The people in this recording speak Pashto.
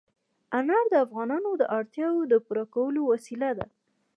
انار د افغانانو د اړتیاوو د پوره کولو وسیله ده.